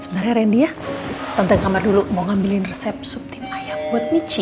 sebenarnya randy ya tante ke kamar dulu mau ambilin resep sup tim ayam buat michi